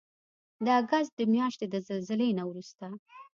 د اګست د میاشتې د زلزلې نه وروسته